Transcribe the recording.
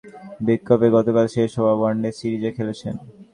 এঁদের মধ্যে অনেকেই ইংল্যান্ডের বিপক্ষে গতকাল শেষ হওয়া ওয়ানডে সিরিজে খেলেছেন।